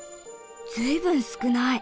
随分少ない。